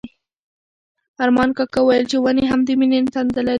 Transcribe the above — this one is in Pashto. ارمان کاکا وویل چې ونې هم د مینې تنده لري.